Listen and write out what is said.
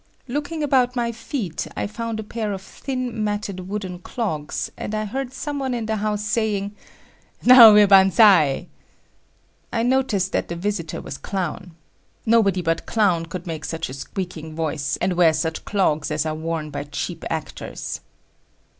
Looking about my feet, I found a pair of thin, matted wooden clogs, and I heard some one in the house saying, "Now we're banzai." I noticed that the visitor was Clown. Nobody but Clown could make such a squeaking voice and wear such clogs as are worn by cheap actors.